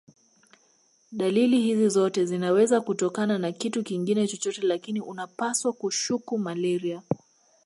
Dalili hizi zote zinaweza kutokana na kitu kingine chochote lakini unapaswa kushuku malaria